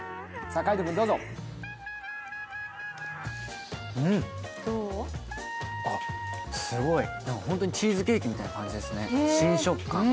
うん、あっ、すごいホントにチーズケーキみたいな感じですね、新食感。